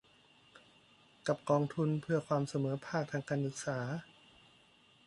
กับกองทุนเพื่อความเสมอภาคทางการศึกษา